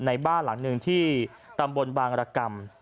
บ้านหลังหนึ่งที่ตำบลบางรกรรม